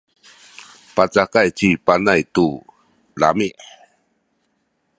pacakay ci Panay tu lami’.